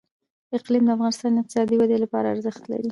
اقلیم د افغانستان د اقتصادي ودې لپاره ارزښت لري.